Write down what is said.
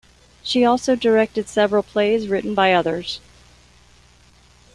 She also directed several plays written by others.